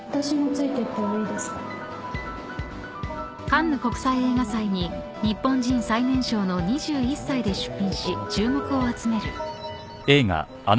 ［カンヌ国際映画祭に日本人最年少の２１歳で出品し注目を集める］